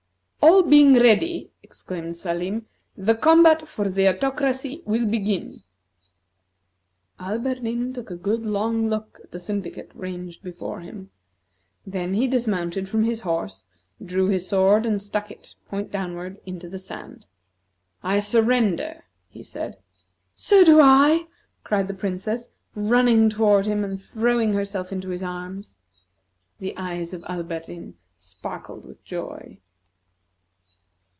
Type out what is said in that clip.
"All being ready," exclaimed Salim, "the combat for the Autocracy will begin!" Alberdin took a good long look at the syndicate ranged before him. Then he dismounted from his horse, drew his sword, and stuck it, point downward, into the sand. "I surrender!" he said. "So do I!" cried the Princess, running toward him, and throwing herself into his arms. The eyes of Alberdin sparkled with joy.